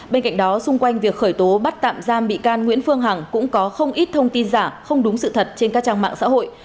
bên cạnh đó xung quanh việc khởi tố bắt tạm giam bị can nguyễn phương hằng cũng có không ít thông tin giả không đúng sự thật trên các trang mạng xã hội